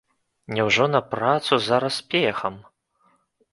Няўжо на працу зараз пехам?